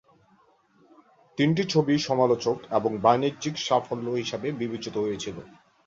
তিনটি ছবিই সমালোচক এবং বাণিজ্যিক সাফল্য হিসাবে বিবেচিত হয়েছিল।